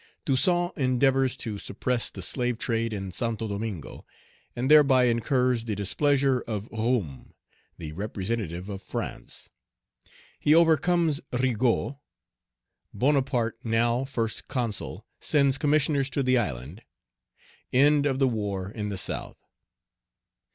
Toussaint endeavors to suppress the slave trade in Santo Domingo, and thereby incurs the displeasure of Roume, the representative of France He overcomes Rigaud Bonaparte, now First Consul, sends Commissioners to the island End of the war in the South.